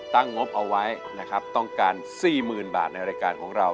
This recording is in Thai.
งบเอาไว้นะครับต้องการ๔๐๐๐บาทในรายการของเรา